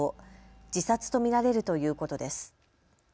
自殺と見られるということです。